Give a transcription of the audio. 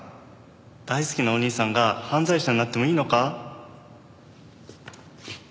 大好きなお兄さんが犯罪者になってもいいのか？